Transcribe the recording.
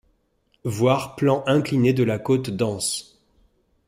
Voir Plan incliné de la côte d'Ans.